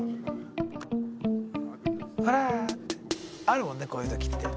あるもんねこういう時って。